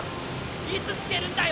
いつつけるんだよ